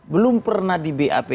belum pernah di bap